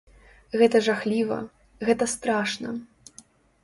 Гэта жахліва, гэта страшна.